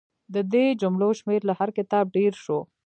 د دې جملو شمېر له هر کتاب ډېر شو.